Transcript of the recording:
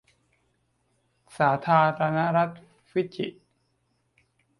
สาธารณรัฐฟิจิ